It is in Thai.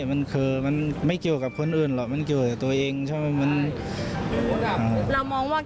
มันก็แปลกใจว่าคือใครทำอะไรใช่ไหม